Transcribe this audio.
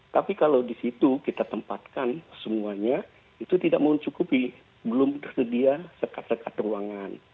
tapi kalau di situ kita tempatkan semuanya itu tidak mencukupi belum tersedia sekat sekat ruangan